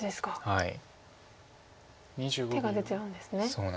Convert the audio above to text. はい。